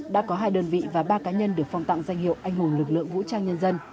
đã có hai đơn vị và ba cá nhân được phong tặng danh hiệu anh hùng lực lượng vũ trang nhân dân